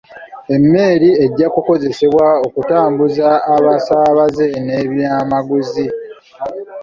Emmeeri ejja kukozesebwa okutambuza abasaabaze n'ebyamaguzi.